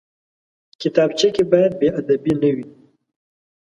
کتابچه کې باید بېادبي نه وي